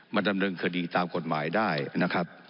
ดำเนินคดีตามกฎหมายได้นะครับ